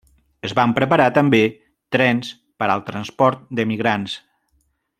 Es van preparar també trens per al transport d'emigrants.